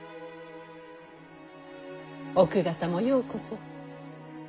奥方もようこそ。